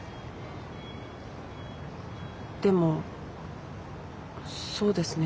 でもそうですね。